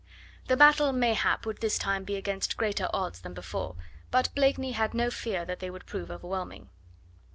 The battle mayhap would this time be against greater odds than before, but Blakeney had no fear that they would prove overwhelming.